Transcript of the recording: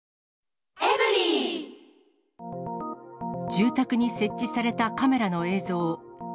住宅に設置されたカメラの映像。